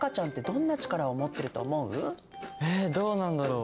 えどうなんだろう？